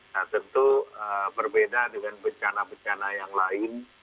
nah tentu berbeda dengan bencana bencana yang lain